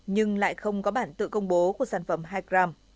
nhưng lại không có bản tự công bố của sản phẩm hai gram